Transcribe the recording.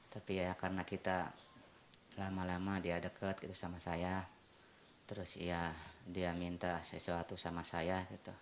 tapi ya karena kita lama lama dia deket gitu sama saya terus ya dia minta sesuatu sama saya